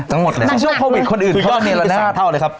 ประมาณ๓เท่าเลยครับ